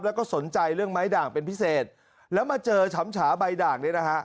แล้วก็สนใจเรื่องไม้ด่างเป็นพิเศษแล้วมาเจอฉำฉาใบด่างนี้นะฮะ